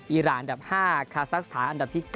อีรานดับ๕คาซักสถานอันดับ๙